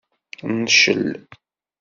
Ncel.